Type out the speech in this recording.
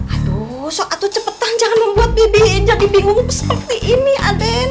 aduh saat itu cepetan jangan membuat bibi jadi bingung seperti ini aden